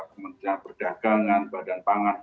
pemerintahan perdagangan badan pangan